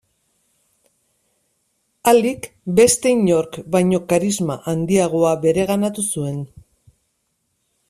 Alik beste inork baino karisma handiagoa bereganatu zuen.